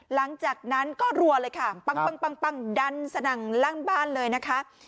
หลังจากนั้นก็รัวเลยค่ะปั้งดันสนั่นลั่นบ้านเลยนะคะ